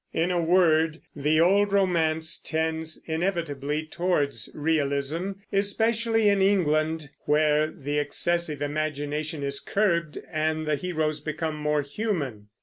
In a word, the old romance tends inevitably towards realism, especially in England, where the excessive imagination is curbed and the heroes become more human.